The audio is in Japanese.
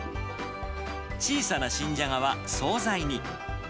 小さな新ジャガは総菜に。